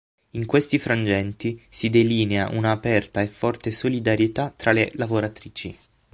In questi frangenti si delinea una aperta e forte solidarietà tra le lavoratrici.